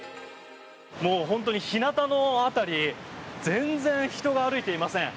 本当に日なたの辺り全然人が歩いていません。